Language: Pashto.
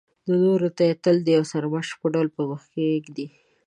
نورو ته یې تل د یو سرمشق په ډول په مخکې ږدي.